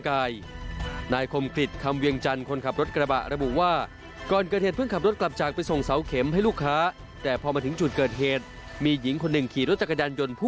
ข้างล่างพูดถึงคาตูนและไม่มีกระจก